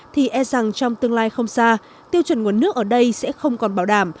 thì e rằng trong tương lai không xa tiêu chuẩn nguồn nước ở đây sẽ không còn bảo đảm